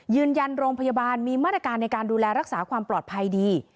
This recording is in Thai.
ยืนยันโรงพยาบาลมีมาตรการในการดูแลรักษาความปลอดภัยดี